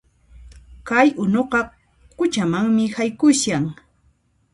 Kay unuqa quchamanmi haykushan